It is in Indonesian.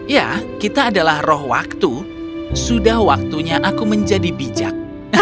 ya kita adalah roh waktu sudah waktunya aku menjadi bijak